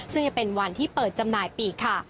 ซึ่งจะเป็นวันที่เปิดจำหน่ายปีกค่ะ